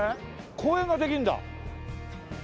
公園ができるんだ。